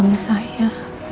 membohongi suami saya